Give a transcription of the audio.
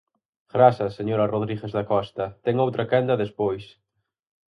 Grazas, señora Rodríguez Dacosta, ten outra quenda despois.